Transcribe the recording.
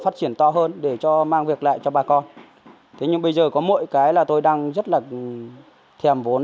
thế nhưng bây giờ có mỗi cái là tôi đang rất là thèm vốn